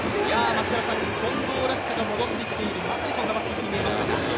近藤らしさが戻ってきている、まさにそんなバッティング。